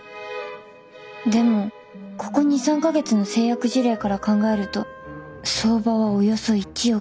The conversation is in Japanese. でもここ２３か月の成約事例から考えると相場はおよそ１億。